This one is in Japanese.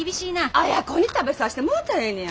あや子に食べさせてもうたらええねや。